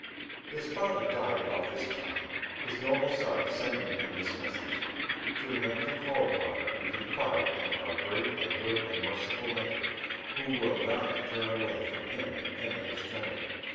His father died about this time, his noble son sending him this message, "to remember to call upon and confide in our great and good and merciful Maker, who will not turn away from him in any extremity.